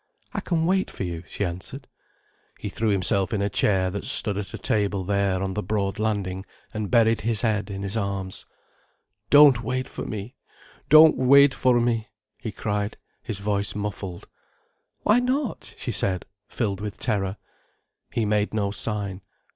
"I can wait for you," she answered. He threw himself in a chair that stood at a table there on the broad landing, and buried his head in his arms. "Don't wait for me! Don't wait for me!" he cried, his voice muffled. "Why not?" she said, filled with terror. He made no sign.